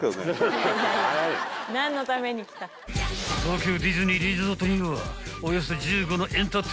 ［東京ディズニーリゾートには］